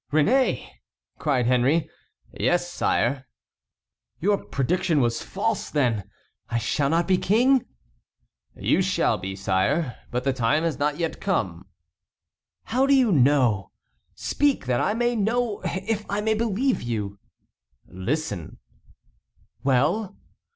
"Réné!" cried Henry. "Yes, sire." "Your prediction was false, then; I shall not be king?" "You shall be, sire; but the time has not yet come." "How do you know? Speak, that I may know if I may believe you." "Listen." "Well?"